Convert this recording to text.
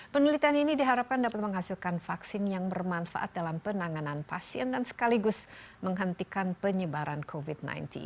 penelitian ini diharapkan dapat menghasilkan vaksin yang bermanfaat dalam penanganan pasien dan sekaligus menghentikan penyebaran covid sembilan belas